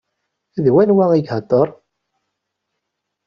D wanwa ihedder?